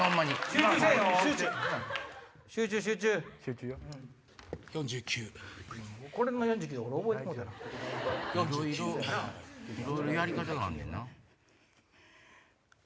いろいろやり方があんねんな。